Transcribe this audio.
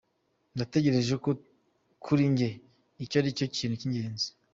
Natekereje ko kuri njye icyo aricyo kintu cy’ingenzi.”